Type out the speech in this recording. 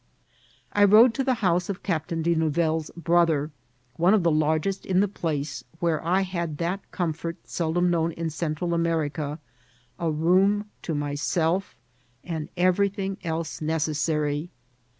I rode to the house of Captain De Nouvelle's broth er, one of the largest in the place, where I had that comfort, seldom known in Central America, a room to myself, and everything else necessary.